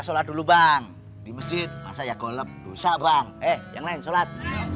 sholat dulu bang di masjid saya goleb dosa bang eh yang lain sholat